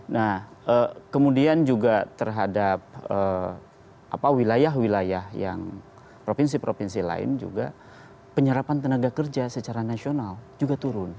nah kemudian juga terhadap wilayah wilayah yang provinsi provinsi lain juga penyerapan tenaga kerja secara nasional juga turun